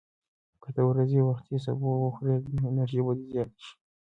که ته د ورځې وختي سبو وخورې، نو انرژي به دې زیاته شي.